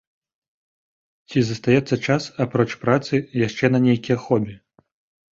Ці застаецца час, апроч працы, яшчэ на нейкія хобі?